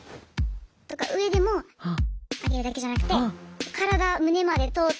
とか上でも上げるだけじゃなくて体胸まで通って。